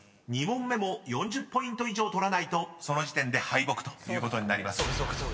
［２問目も４０ポイント以上取らないとその時点で敗北ということになります］